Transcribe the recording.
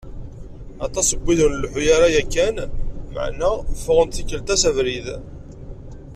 Aṭas n wid ur nleḥḥu ara yakan, meɛna ffɣen-d tikkelt-a s abrid.